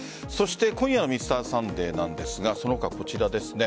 今夜の「Ｍｒ．サンデー」なんですがその他、こちらです。